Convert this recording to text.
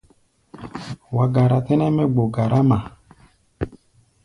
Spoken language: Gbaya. Wa gara tɛ́nɛ́ mɛ́ gbo garáma.